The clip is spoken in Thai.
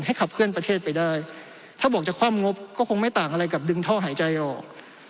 ขับเคลื่อนประเทศไปได้ถ้าบอกจะคว่ำงบก็คงไม่ต่างอะไรกับดึงท่อหายใจออก